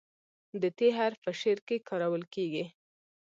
د "ت" حرف په شعر کې کارول کیږي.